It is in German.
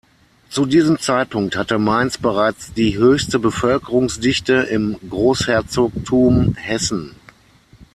Zu diesem Zeitpunkt hatte Mainz bereits die höchste Bevölkerungsdichte im Großherzogtum Hessen.